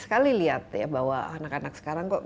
selalu minta pengaman di daerah kita